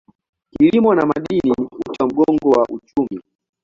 Kilimo na madini ni uti wa mgongo wa uchumi.